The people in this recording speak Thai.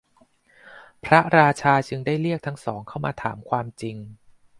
พระราชาจึงได้เรียกทั้งสองเข้ามาถามความจริง